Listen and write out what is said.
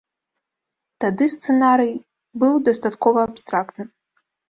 Тады сцэнарый быў дастаткова абстрактным.